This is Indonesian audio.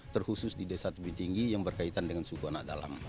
terkhusus di desa tebi tinggi yang berkaitan dengan suku anak dalam